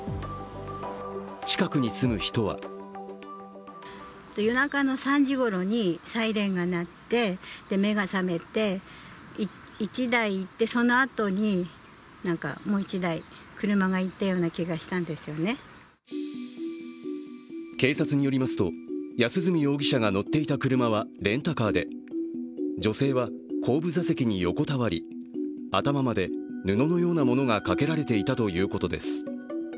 近くに住む人は警察によりますと、安栖容疑者が乗っていた車はレンタカーで女性は後部座席に横たわり、頭まで布のようなものがかけられていたということです。